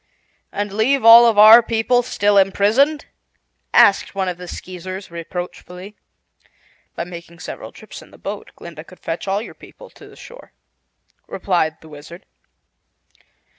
"And leave all of our people still imprisoned?" asked one of the Skeezers reproachfully. "By making several trips in the boat, Glinda could fetch all your people to the shore," replied the Wizard.